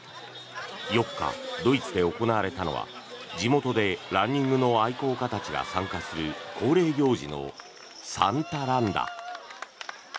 ４日、ドイツで行われたのは地元でランニングの愛好家たちが参加する恒例行事のサンタ・ランだ。